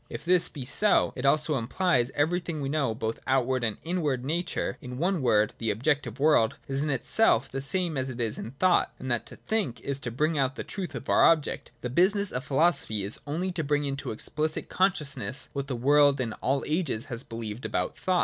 If this be so, it also implies that everything we know both of out ward and inward nature, in one word, the objective world, is in its own self the same as it is in thought, and that to think is to bring out the truth of our object, be it what it may. The business of philosophy is only to bring into explicit consciousness what the world in all ao es has believed about thought.